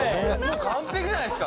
「完璧じゃないですか」